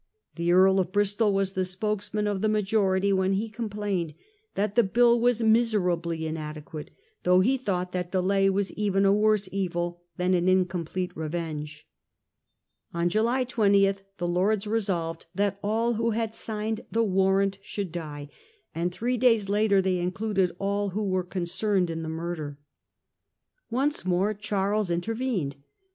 The Earl of Bristol was the spokesman of the majority, when he complained that the bill was miserably inade quate, though he thought that delay was even a worse evil than an incomplete revenge. On July 20 the Lords resolved that all who had signed the warrant should die ; and three days later they included 'all who were con cerned' in the murder. Once more Charles intervened.